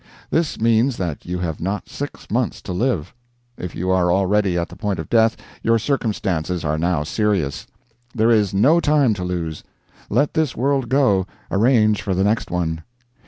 This means that you have not six months to live. If you are already at the point of death, your circumstances are now serious. There is no time to lose. Let this world go, arrange for the next one.